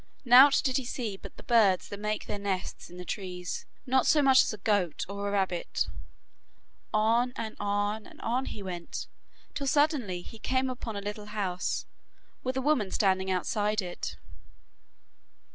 Nought did he see but the birds that made their nests in the trees, not so much as a goat or a rabbit. On and on and on he went, till suddenly he came upon a little house, with a woman standing outside it.